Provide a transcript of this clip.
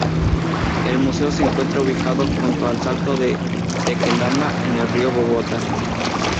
El museo se encuentra ubicado junto al Salto del Tequendama en el río Bogotá.